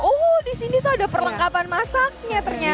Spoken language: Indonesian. oh di sini tuh ada perlengkapan masaknya ternyata